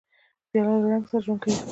پیاله له رنګ سره ژوند کوي.